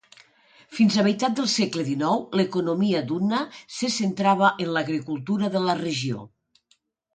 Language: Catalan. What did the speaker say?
Fins a meitat del segle XIX, l'economia d'Unna se centrava en l'agricultura de la regió.